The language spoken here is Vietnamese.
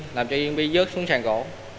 làm cho viên bi rớt xuống sàn cổ